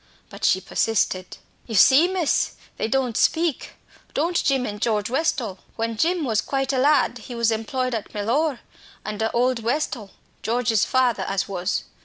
But she persisted. "You see, miss, they don't speak, don't Jim and George Westall. When Jim was quite a lad he was employed at Mellor, under old Westall, George's father as was.